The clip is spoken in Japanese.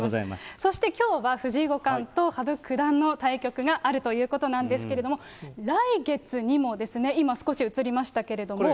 そしてきょうは藤井五冠と羽生九段の対局があるということなんですけれども、来月にも、今、少し映りましたけれども。